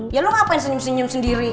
ya lu ngapain senyum senyum sendiri